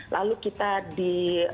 lalu kita di